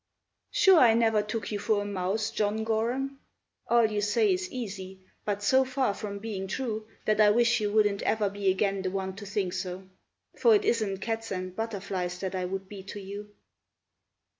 "Sure I never took you for a mouse, John Gorham; All you say is easy, but so far from being true That I wish you wouldn't ever be again the one to think so; For it isn't cats and butterflies that I would be to you."